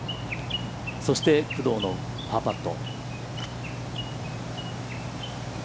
そして、工藤のパーパット。